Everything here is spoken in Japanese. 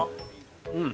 うん！